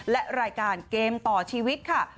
และรายการเกมต่อชีวิตค่ะ